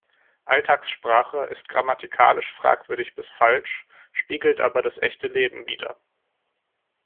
Alltagssprache ist grammatikalisch fragwürdig bis falsch, spiegelt aber das echte Leben wider.